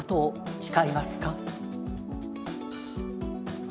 誓います。